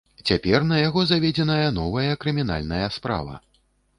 Цяпер на яго заведзеная новая крымінальная справа.